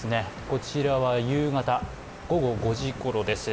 こちらは夕方、午後５時ごろです。